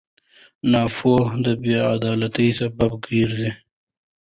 ناپوهي د بېعدالتۍ سبب ګرځي.